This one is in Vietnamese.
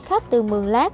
xe khách từ mường lác